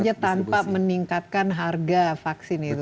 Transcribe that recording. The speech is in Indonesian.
dan tentu saja tanpa meningkatkan harga vaksin itu